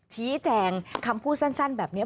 ชี้แจงคำพูดสั้นแบบนี้